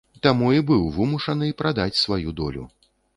Таму і быў вымушаны прадаць сваю долю.